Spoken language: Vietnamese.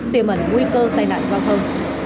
tiềm ẩn nguy cơ tai nạn giao thông